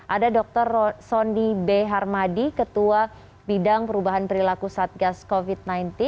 ada dr sondi b harmadi ketua bidang perubahan perilaku satgas covid sembilan belas